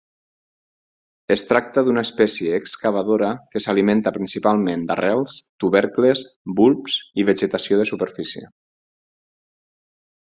Es tracta d'una espècie excavadora que s'alimenta principalment d'arrels, tubercles, bulbs i vegetació de superfície.